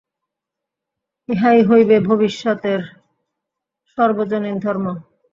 ইহাই হইবে ভবিষ্যতের সর্বজনীন ধর্ম।